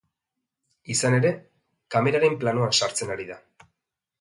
Izan ere, kameraren planoan sartzen ari da.